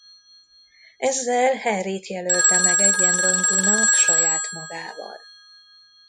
Ezzel Harryt jelölte meg egyenrangúnak saját magával.